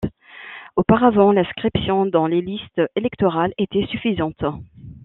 Auparavant l'inscription dans les listes électorales était suffisante.